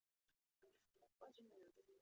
中共第十六届中央候补委员。